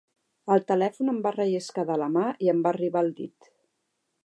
El telèfon em va relliscar de la mà i em va arribar al dit.